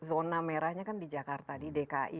zona merahnya kan di jakarta di dki